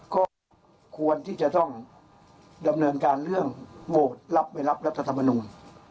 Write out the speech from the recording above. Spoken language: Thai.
ก็ควรที่จะต้องดำเนินการเรื่องโหวตรับไม่รับรัฐธรรมนูล